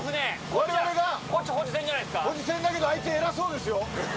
保持船だけど相手偉そうですよ。